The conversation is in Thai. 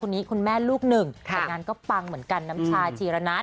คุณแม่ลูกหนึ่งแต่งานก็ปังเหมือนกันน้ำชาชีระนัท